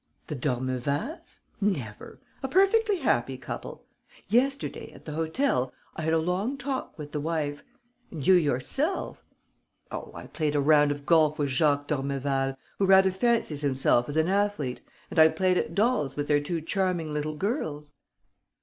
"The d'Ormevals? Never! A perfectly happy couple! Yesterday, at the hotel, I had a long talk with the wife. And you yourself...." "Oh, I played a round of golf with Jacques d'Ormeval, who rather fancies himself as an athlete, and I played at dolls with their two charming little girls!"